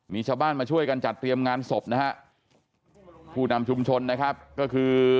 มีชาวบ้านมาช่วยกันจัดเตรียมงานศพนะฮะผู้นำชุมชนนะครับก็คือ